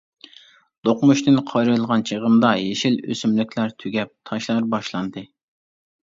دوقمۇشتىن قايرىلغان چىغىمدا، يېشىل ئۆسۈملۈكلەر تۈگەپ، تاشلار باشلاندى.